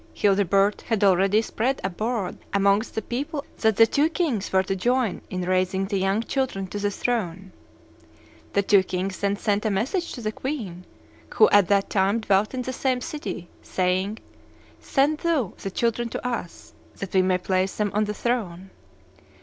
Childebert had already spread abroad amongst the people that the two kings were to join in raising the young children to the throne. The two kings then sent a message to the queen, who at that time dwelt in the same city, saying, 'Send thou the children to us, that we may place them on the throne.